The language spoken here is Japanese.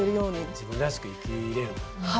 自分らしく生きれる。